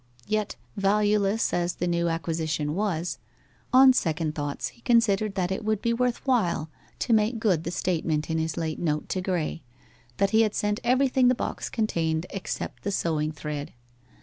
Yet valueless as the new acquisition was, on second thoughts he considered that it would be worth while to make good the statement in his late note to Graye that he had sent everything the box contained except the sewing thread.